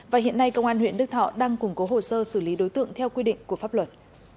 và hiện nay công an huyện đức thọ đang củng cố hồ sơ xử lý đối tượng theo quy định của pháp luật